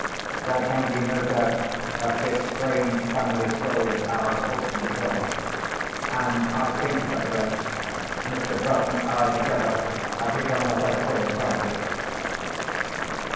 There can be no doubt that this strange family story of ours ought to be told. And I think, Betteredge, Mr. Bruff and I together have hit on the right way of telling it."